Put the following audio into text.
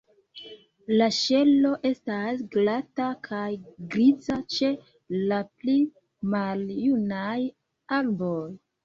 La ŝelo estas glata kaj griza ĉe la pli maljunaj arboj.